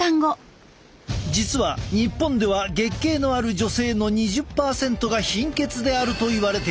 実は日本では月経のある女性の２０％が貧血であるといわれている。